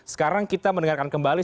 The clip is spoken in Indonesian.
sekarang kita mendengarkan kembali